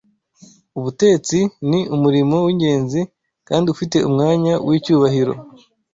Ubutetsi ni umurimo w’ingenzi kandi ufite umwanya w’icyubahiro